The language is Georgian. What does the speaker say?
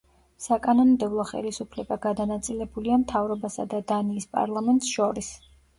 საკანონმდებლო ხელისუფლება გადანაწილებულია მთავრობასა და დანიის პარლამენტს შორის.